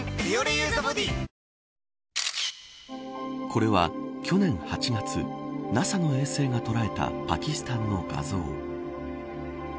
これは、去年８月ＮＡＳＡの映像が捉えたパキスタンの画像。